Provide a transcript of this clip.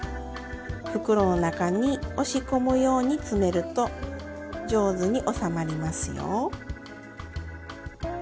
袋の中に押し込むように詰めると上手に収まりますよ。